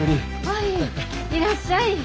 アイいらっしゃい。